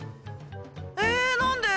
え何で！？